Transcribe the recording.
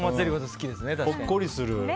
ほっこりする。